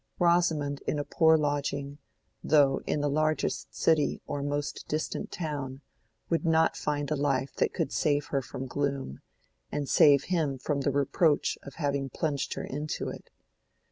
Rosamond in a poor lodging, though in the largest city or most distant town, would not find the life that could save her from gloom, and save him from the reproach of having plunged her into it.